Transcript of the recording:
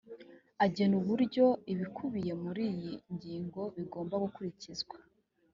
agena uburyo ibikubiye muri iyi ngingo bigomba gukurikizwa